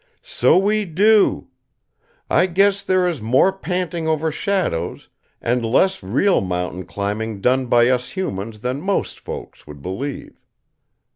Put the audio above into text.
"So we do! I guess there is more panting over shadows and less real mountain climbing done by us humans than most folks would believe.